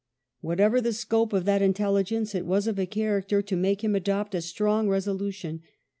Whatever the scope of that intelligence, it was of a character to make him adopt a strong resolu tion.